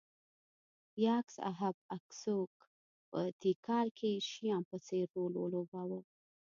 یاکس اهب اکسوک په تیکال کې شیام په څېر رول ولوباوه